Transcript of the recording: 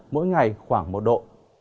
mỗi ngày khoảng một độ